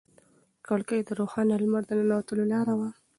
کړکۍ د روښانه لمر د ننوتلو لاره وه.